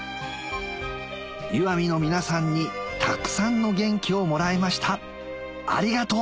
石見の皆さんにたくさんの元気をもらいましたありがとう！